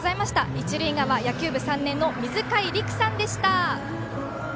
一塁側、野球部３年みずかいりくさんでした。